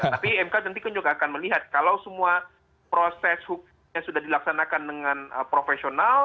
tapi mk tentu juga akan melihat kalau semua proses yang sudah dilaksanakan dengan profesional